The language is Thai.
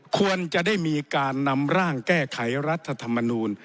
ควรจะได้มีการนำร่างแก้ไขรัฐธรรมนูล